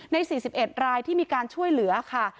๔๑รายที่มีการช่วยเหลือค่ะ